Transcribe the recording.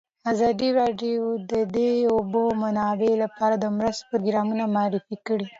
ازادي راډیو د د اوبو منابع لپاره د مرستو پروګرامونه معرفي کړي.